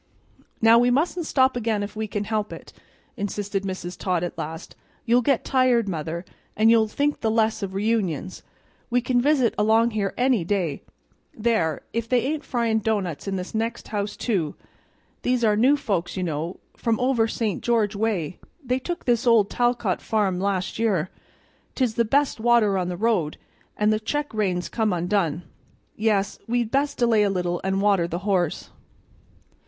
"Now, we mustn't stop again if we can help it," insisted Mrs. Todd at last. "You'll get tired, mother, and you'll think the less o' reunions. We can visit along here any day. There, if they ain't frying doughnuts in this next house, too! These are new folks, you know, from over St. George way; they took this old Talcot farm last year. 'Tis the best water on the road, and the check rein's come undone yes, we'd best delay a little and water the horse."